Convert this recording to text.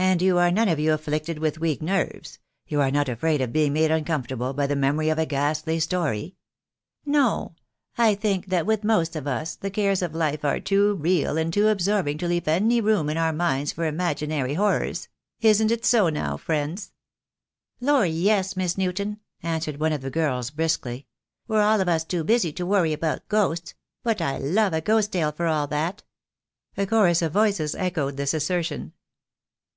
"And you are none of you afflicted with weak nerves — you are not afraid of being made uncomfortable by the memory of a ghastly story?" "No. I think that with most of us the cares of life 28o THE DAY WILL COME. are too real and too absorbing to leave any room in our minds for imaginary horrors. Isn't it so, now, friends?" "Lor, yes, Miss Newton," answered one of the girls, briskly: "we're all of us too busy to worry about ghosts; but I love a ghost tale for all that." A chorus of voices echoed this assertion.